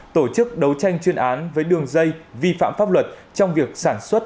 tổ chức đấu tranh chuyên án với đường dây vi phạm pháp luật trong việc sản xuất